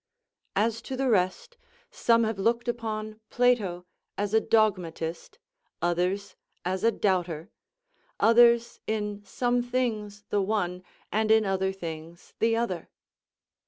As to the rest, some have looked upon Plato as a dogmatist, others as a doubter, others in some things the one, and in other things the other.